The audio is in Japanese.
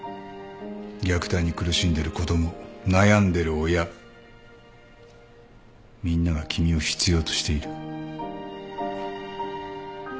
虐待に苦しんでる子供悩んでる親みんなが君を必要としている。